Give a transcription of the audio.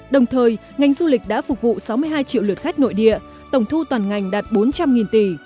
đồng thời ngành du lịch đã phục vụ sáu mươi hai triệu lượt khách nội địa tổng thu toàn ngành đạt bốn trăm linh tỷ